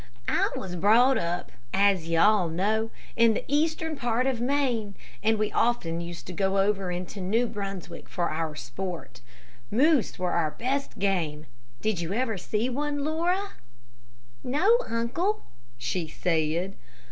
"I was brought up, as you all know, in the eastern part of Maine, and we often used to go over into New Brunswick for our sport. Moose were our best game. Did you ever see one, Laura?" "No, uncle," she said.